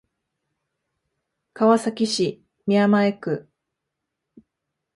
川崎市宮前区